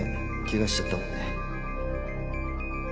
怪我しちゃったもんで。